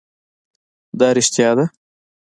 دا رښتيا ده؟